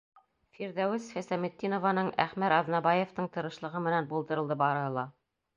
Фирҙәүес Хисамитдинованың, Әхмәр Аҙнабаевтың тырышлығы менән булдырылды барыһы ла.